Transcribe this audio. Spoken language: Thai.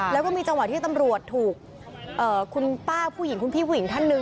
แล้วก็มีจังหวะที่ตำรวจถูกคุณป้าผู้หญิงคุณพี่ผู้หญิงท่านหนึ่ง